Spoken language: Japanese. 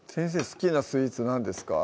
好きなスイーツ何ですか？